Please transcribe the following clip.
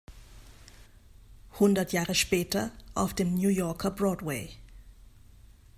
Hundert Jahre später auf dem New Yorker Broadway.